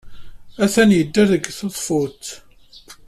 Atan yedder deg tḍeffut.